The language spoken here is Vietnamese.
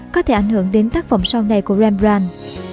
có thể ảnh hưởng đến tác phẩm sau này của rembrand